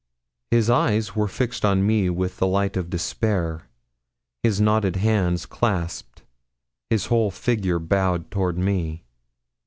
His eyes were fixed on me with the light of despair, his knotted hands clasped, his whole figure bowed toward me.